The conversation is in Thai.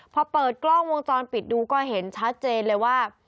พอเปิดกล้องวงจรปิดดูก็เห็นชัดเจนเลยว่า